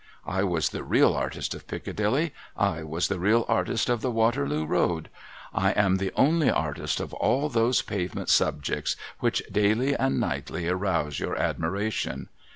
I was the real artist of Piccadilly, I was the real artist of the W^aterloo Road, I am the only artist of all tliose pavement subjects which daily and nightly arouse your admiration.